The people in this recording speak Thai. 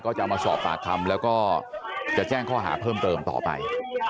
จะเอามาสอบปากคำแล้วก็จะแจ้งข้อหาเพิ่มเติมต่อไป